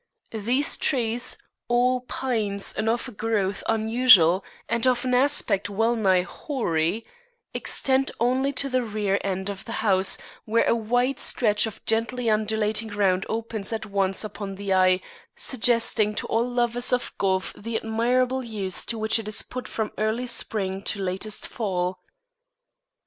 These trees all pines and of a growth unusual and of an aspect well nigh hoary extend only to the rear end of the house, where a wide stretch of gently undulating ground opens at once upon the eye, suggesting to all lovers of golf the admirable use to which it is put from early spring to latest fall.